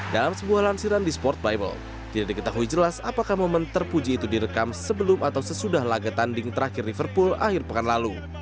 dalam sebuah lansiran di sport bible tidak diketahui jelas apakah momen terpuji itu direkam sebelum atau sesudah laga tanding terakhir liverpool akhir pekan lalu